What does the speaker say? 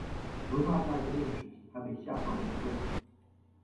文化大革命时期他被下放劳动。